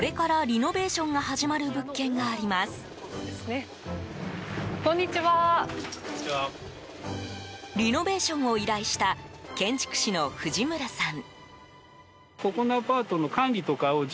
リノベーションを依頼した建築士の藤村さん。